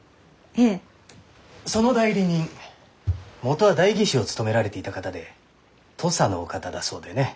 その代理人元は代議士を務められていた方で土佐のお方だそうでね。